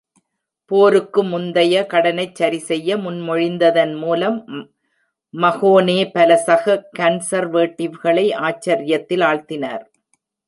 போருக்கு முந்தைய கடனை சரிசெய்ய முன்மொழிந்ததன் மூலம் மகோனே பல சக கன்சர்வேடிவ்களை ஆச்சர்யத்தில் ஆழ்த்தினார்.